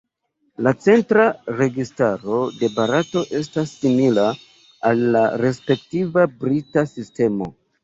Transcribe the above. La centra registaro de Barato estas simila al la respektiva brita sistemo.